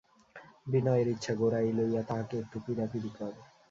বিনয়ের ইচ্ছা গোরা এই লইয়া তাহাকে একটু পীড়াপীড়ি করে।